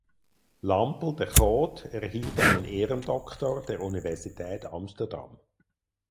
Lampl de Groot erhielt einen Ehrendoktor der Universität Amsterdam.